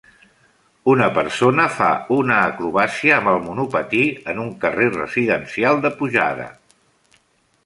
Una persona fa una acrobàcia amb el monopatí en un carrer residencial de pujada.